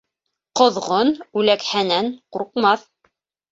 Ҡоҙғон үләкһәнән ҡурҡмаҫ.